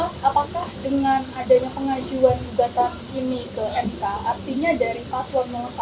mas apakah dengan adanya pengajuan juga dari bumk artinya dari paswan satu menunda sementara